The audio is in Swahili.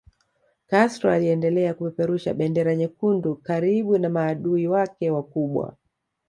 Castro aliendelea kupeperusha bendera nyekundu karibu na maadui wake wakubwa